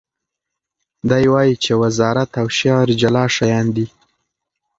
دی وایي چې وزارت او شعر جلا شیان دي.